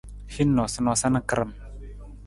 Hin noosanoosa na karam.